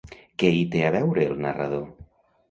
Què hi té a veure el narrador?